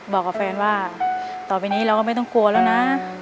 บอกกับแฟนว่าต่อไปนี้เราก็ไม่ต้องกลัวแล้วนะ